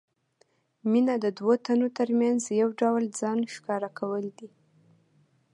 مینه د دوو تنو ترمنځ یو ډول ځان ښکاره کول دي.